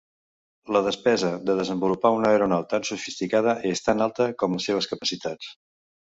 La despesa de desenvolupar una aeronau tan sofisticada és tan alta com les seves capacitats.